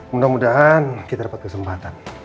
mudah mudahan kita dapat kesempatan